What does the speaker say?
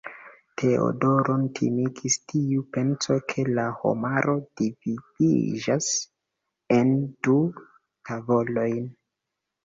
Teodoron timigis tiu penso, ke la homaro dividiĝas en du tavolojn.